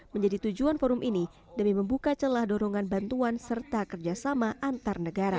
menjadi tujuan forum ini demi membuka celah dorongan bantuan serta kerjasama antar negara